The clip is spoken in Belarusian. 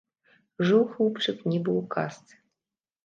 Жыў хлопчык нібы ў казцы.